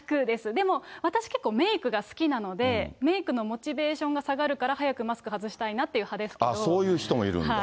でも私、結構メークが好きなので、メークのモチベーションが下がるから、早くマスク外したいなっていう派ですけど。